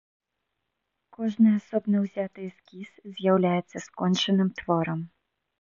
Кожны асобна ўзяты эскіз з'яўляецца скончаным творам.